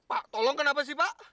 pak tolong kenapa sih pak